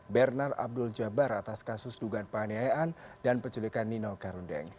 bernard abdul jabar atas kasus dugaan penganiayaan dan penculikan nino karundeng